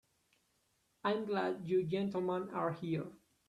I'm glad you gentlemen are here.